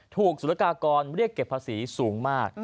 ถูกศูนยากากรเรียกเก็บภาษีสูงมาก